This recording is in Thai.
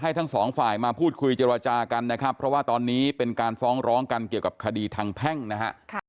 หลังทำน้าอกเราไม่เคยที่จะปฏิเสธความรับผิดชอบทั้งหมดนะคะ